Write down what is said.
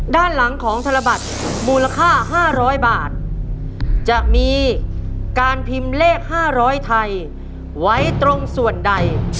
ด้านหลังของธนบัตรมูลค่า๕๐๐บาทจะมีการพิมพ์เลข๕๐๐ไทยไว้ตรงส่วนใด